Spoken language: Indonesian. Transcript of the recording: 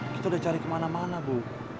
kita udah cari kemana mana bu